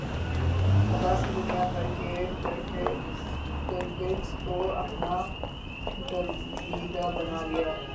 عباس نے دنیا بھر کے کرکٹرز کو اپنا گرویدہ بنا لیا